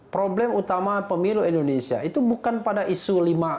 problem utama pemilu indonesia itu bukan pada isu lima